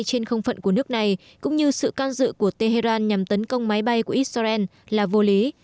trên không phận của nước này cũng như sự can dự của tehran nhằm tấn công máy bay của israel là vô lý